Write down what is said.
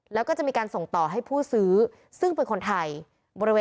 แล้วก็ส่งต่อให้ผู้ซื้อศึกเป็นคนไทย